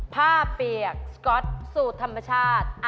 ผ้าเปียกสก๊อตสุดฆ่าเชื้อ๓๐แผ่น